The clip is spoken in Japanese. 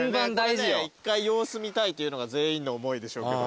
一回様子見たいっていうのが全員の思いでしょうけど。